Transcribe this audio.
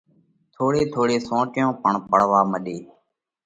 ٿوڙي ٿوڙي سونٽيون پڻ پڙوا مڏي۔